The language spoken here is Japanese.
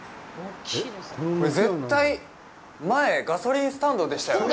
これ絶対、前、ガソリンスタンドでしたよね？